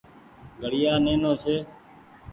گهڙيآ نينو ڇي۔